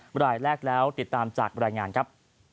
รายแรกแล้วติดตามจากบรรยายงานครับ